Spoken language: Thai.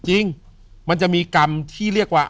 จริงมันจะมีกรรมที่เรียกว่า